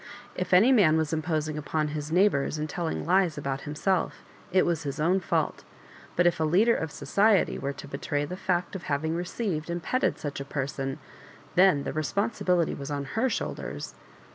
If any man was imposing upon his neijghbours and tellmg lies about himself, it was his own fault; but if a leader of society .were to betray the fact of having received and petted such a person, then the responsibility was on Aer shoulders.